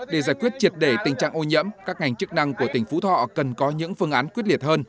để giải quyết triệt để tình trạng ô nhiễm các ngành chức năng của tỉnh phú thọ cần có những phương án quyết liệt hơn